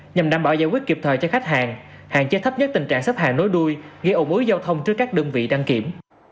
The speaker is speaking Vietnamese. nhằm đảm bảo giải quyết kịp thời cho khách hàng hạn chế thấp nhất tình trạng xếp hàng nối đuôi gây ồi giao thông trước các đơn vị đăng kiểm